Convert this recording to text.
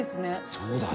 そうだね。